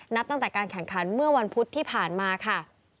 นับตั้งแต่การแข่งขันเมื่อวันพุธที่ผ่านมาค่ะ